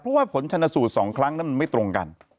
เพราะว่าผลชนสูตร๒ครั้งนั้นมันไม่ตรงกัน